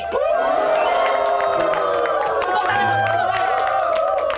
temuk tangan aku